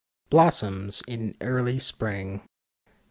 Blossoms in early spring.